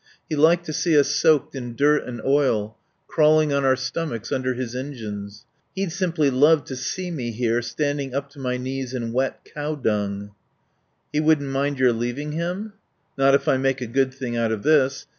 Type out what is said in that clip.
He liked to see us soaked in dirt and oil, crawling on our stomachs under his engines. He'd simply love to see me here standing up to my knees in wet cow dung." "He won't mind your leaving him?" "Not if I make a good thing out of this.